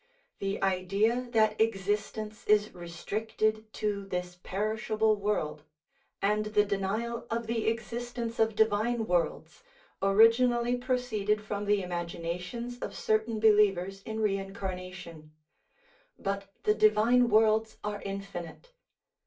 The idea that existence is restricted to this perish able world, and the denial of the existence of divine worlds, originally proceeded from the imaginations of certain believers in reincarnation; but the divine worlds are infinite.